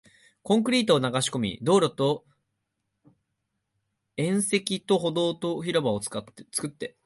コンクリートを流し込み、道路と縁石と歩道と広場を作って